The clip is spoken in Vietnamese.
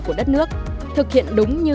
của đất nước thực hiện đúng như